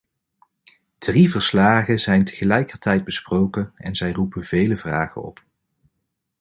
Drie verslagen zijn tegelijkertijd besproken en zij roepen vele vragen op.